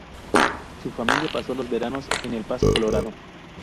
Su familia pasó los veranos en El Paso, Colorado.